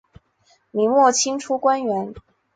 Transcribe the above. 明末清初官员。